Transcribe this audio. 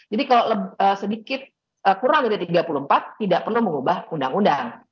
jadi kalau sedikit kurang dari tiga puluh empat tidak perlu mengubah undang undang